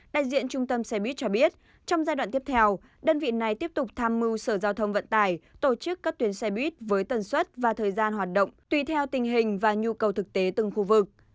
đại diện trung tâm xe buýt cho biết trong giai đoạn tiếp theo đơn vị này tiếp tục tham mưu sở giao thông vận tải tổ chức các tuyến xe buýt với tần suất và thời gian hoạt động tùy theo tình hình và nhu cầu thực tế từng khu vực